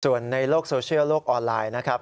ส่วนในโลกโซเชียลโลกออนไลน์นะครับ